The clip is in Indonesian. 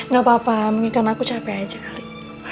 gak apa apa mungkin karena aku capek aja kali